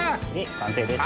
完成です。